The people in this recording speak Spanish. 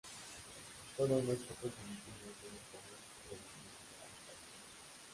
Solo unos pocos filipinos y un español sobrevivieron a la masacre.